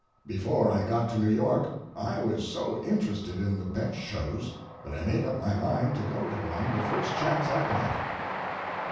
Before I got to New York I was so interested in the bench shows that I made up my mind to go to one the first chance I got.